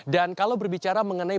dan kalau berbicara mengenai